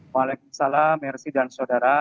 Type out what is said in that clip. waalaikumsalam mercy dan saudara